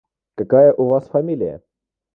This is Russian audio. Какая у вас фамилия?